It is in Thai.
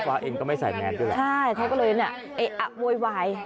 เขาใช่คือเขาเลยน่ะโยยวาย